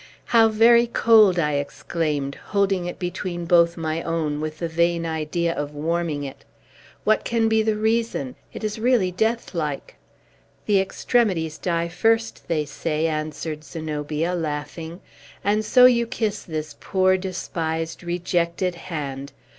"How very cold!" I exclaimed, holding it between both my own, with the vain idea of warming it. "What can be the reason? It is really deathlike!" "The extremities die first, they say," answered Zenobia, laughing. "And so you kiss this poor, despised, rejected hand!